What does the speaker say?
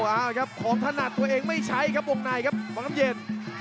อ้าวครับขอบถนัดตัวเองไม่ใช้ครับบ๊องน้ำเย็น